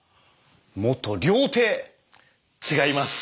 元料亭！違います。